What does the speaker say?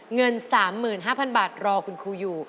เงิน๓๕๐๐บาทรอคุณครูอยู่